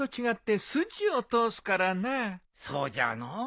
そうじゃのう。